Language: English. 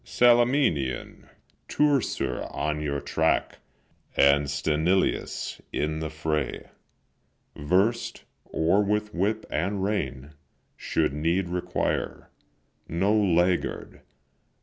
Salaminian Teucer on your track, And Sthenelus, in the fray Versed, or with whip and rein, should need require, No laggard.